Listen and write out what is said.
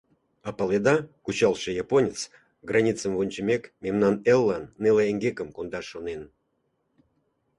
— А паледа, кучалтше японец, границым вончымек, мемнан эллан неле эҥгекым кондаш шонен.